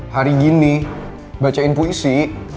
hari gini bacain puisi